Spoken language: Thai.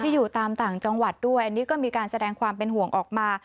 อยู่ตามต่างจังหวัดด้วยอันนี้ก็มีการแสดงความเป็นห่วงออกมา